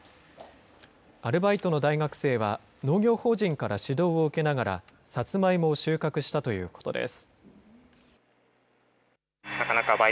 アルバイトの大学生は、農業法人から指導を受けながら、サツマイモを収穫したということです。